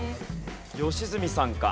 良純さんか？